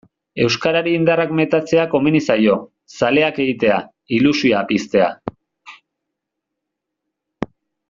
Euskarari indarrak metatzea komeni zaio, zaleak egitea, ilusioa piztea.